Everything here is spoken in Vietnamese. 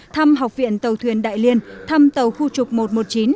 thăm học viện tàu thuyền đại liên thăm tàu khu trục một trăm một mươi chín